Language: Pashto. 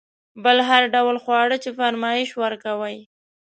بل هر ډول خواړه چې فرمایش ورکوئ.